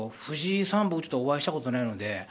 藤井さんはお会いしたことないので。